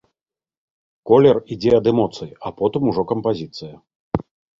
Колер ідзе ад эмоцыі, а потым ужо кампазіцыя.